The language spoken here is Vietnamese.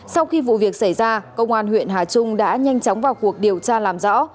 sau khi vụ việc xảy ra công an huyện hà trung đã nhanh chóng vào cuộc điều tra làm rõ